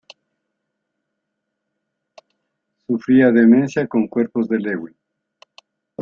Sufría demencia con cuerpos de Lewy.